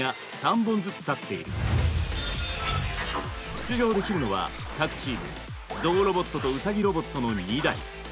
出場できるのは各チームゾウロボットとウサギロボットの２台。